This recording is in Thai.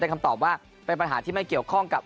คำตอบว่าเป็นปัญหาที่ไม่เกี่ยวข้องกับ